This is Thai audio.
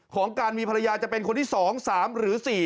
ของการมีภรรยาจะเป็นคนที่๒๓หรือ๔